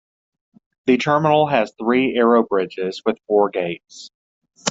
The terminal has three aerobridges with four gates.